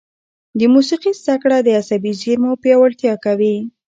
د موسیقي زده کړه د عصبي زېرمو پیاوړتیا کوي.